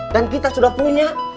dan kita sudah punya